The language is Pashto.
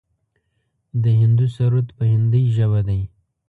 د هندو سرود په هندۍ ژبه دی.